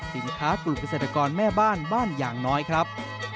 สินค้ากลุ่มเกษตรกรแม่บ้านบ้านอย่างน้อยครับ